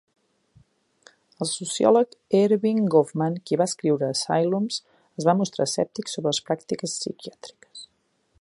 El sociòleg Erving Goffman, qui va escriure Asylums, es va mostrar escèptic sobre les pràctiques psiquiàtriques.